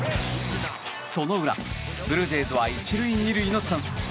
その裏ブルージェイズは１塁２塁のチャンス。